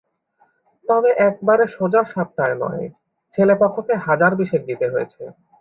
তবে একেবারে সোজা সাপটায় নয়; ছেলে পক্ষকে হাজার বিশেক দিতে হয়েছে।